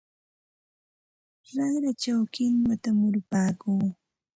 Raqrachaw kinwata murupaakuu.